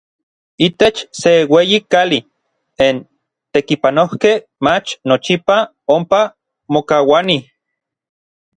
Itech se ueyi kali, n tekipanojkej mach nochipa ompa mokauanij.